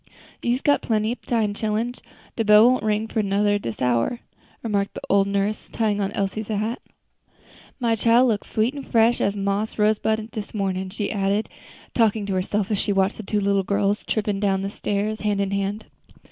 "You's got plenty ob time, chillens; de bell won't go for to ring dis hour," remarked the old nurse, tying on Elsie's hat. "My chile looks sweet an' fresh as a moss rosebud dis mornin'," she added, talking to herself, as she watched the two little girls tripping down stairs hand in hand.